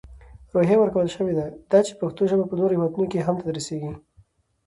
روحیه ورکول شوې ده، دا چې پښتو ژپه په نورو هیوادونو کې هم تدرېسېږي.